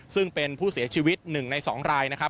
ซึ่งเป็นผู้เสียชีวิตหนึ่งในสองรายนะครับ